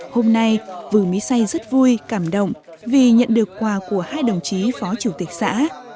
hôm nay phường mỹ say rất vui cảm động vì nhận được quà của hai đồng chí phó chủ tịch xã